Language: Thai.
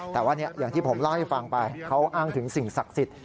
แต่ว่าอย่างที่ผมเล่าให้ฟังไปเขาอ้างถึงสิ่งศักดิ์สิทธิ์